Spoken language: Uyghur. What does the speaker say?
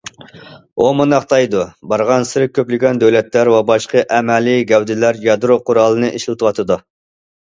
ئۇ مۇنداق دەيدۇ، بارغانسېرى كۆپلىگەن دۆلەتلەر ۋە باشقا ئەمەلىي گەۋدىلەر يادرو قورالىنى ئىشلىتىۋاتىدۇ.